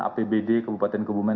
apbd kabupaten kabumen